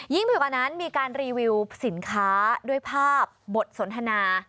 ไปกว่านั้นมีการรีวิวสินค้าด้วยภาพบทสนทนา